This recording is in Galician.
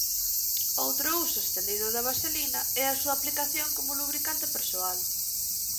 Outro uso estendido da vaselina e a súa aplicación como lubricante persoal.